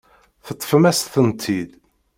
Teṭṭfem-as-tent-id.